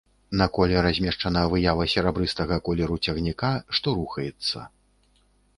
На коле размешчана выява серабрыстага колеру цягніка, што рухаецца.